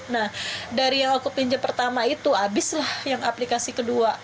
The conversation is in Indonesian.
nah dari yang aku pinjam pertama itu habislah yang aplikasi kedua